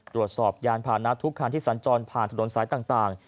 รวดสอบยานผ่านนัดทุกครั้งที่สัญจรผ่านถนนสายต่าง